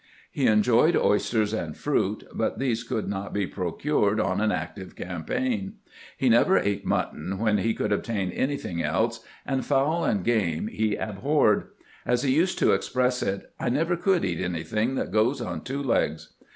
He enjoyed oysters and fruit, but these could not be procured on an active campaign. He never ate mutton when he could obtain anything else, and fowl and game he abhorred. As he used to express it : "I never could eat anything that goes on two legs."